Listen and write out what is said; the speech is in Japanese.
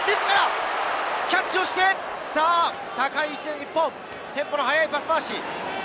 キャッチをして、高い位置で日本、テンポの速いパス回し。